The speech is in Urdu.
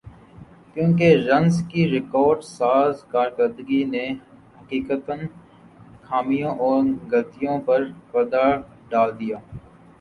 کیونکہ رنز کی ریکارڈ ساز کارکردگی نے حقیقتا خامیوں اور غلطیوں پر پردہ ڈال دیا